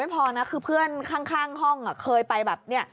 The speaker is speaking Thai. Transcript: เดี๋ยวไม่พอนะคือเพื่อนข้างห้องเคยไปแบบนี้